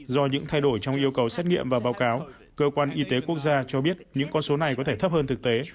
do những thay đổi trong yêu cầu xét nghiệm và báo cáo cơ quan y tế quốc gia cho biết những con số này có thể thấp hơn thực tế